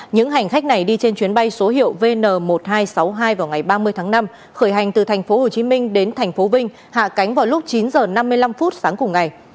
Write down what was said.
những hành khách này đi trên chuyến bay số hiệu vn một nghìn hai trăm sáu mươi hai vào ngày ba mươi tháng năm khởi hành từ thành phố hồ chí minh đến thành phố vinh hạ cánh vào lúc chín h năm mươi năm sáng cùng ngày